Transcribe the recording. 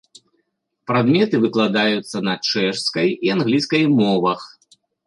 Прадметы выкладаюцца на чэшскай і англійскай мовах.